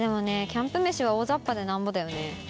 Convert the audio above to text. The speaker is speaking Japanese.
キャンプ飯は大ざっぱでなんぼだよね。